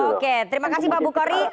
oke terima kasih pak bukhari